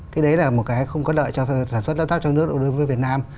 thì đấy là một cái không có lợi cho sản xuất laptop trong nước đối với việt nam